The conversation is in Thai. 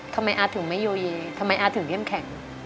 ทำไมอาร์ถึงไม่โยเยทำไมอาร์ถึงเข้มแข็ง